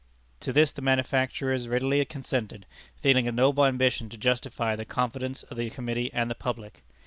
To this the manufacturers readily consented, feeling a noble ambition to justify the confidence of the Committee and the public.